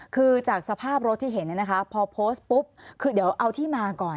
คือจากสภาพรถที่เห็นเนี่ยนะคะพอโพสต์ปุ๊บคือเดี๋ยวเอาที่มาก่อน